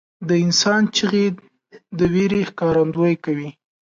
• د انسان چیغې د وېرې ښکارندویي کوي.